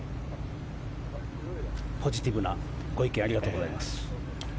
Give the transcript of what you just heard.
ポジティブなご意見ありがとうございます。